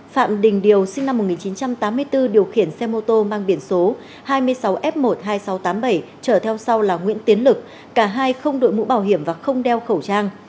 phạm đình điều sinh năm một nghìn chín trăm tám mươi bốn điều khiển xe mô tô mang biển số hai mươi sáu f một mươi hai nghìn sáu trăm tám mươi bảy trở theo sau là nguyễn tiến lực cả hai không đội mũ bảo hiểm và không đeo khẩu trang